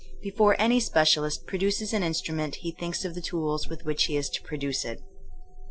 Before any specialist produces an instrument he thinks of the tools with which he is to produce it.